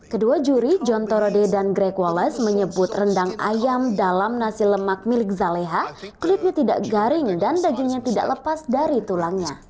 kedua juri john torode dan greg walles menyebut rendang ayam dalam nasi lemak milik zaleha kulitnya tidak garing dan dagingnya tidak lepas dari tulangnya